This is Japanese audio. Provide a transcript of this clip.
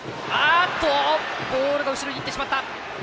ボールが後ろにいってしまった！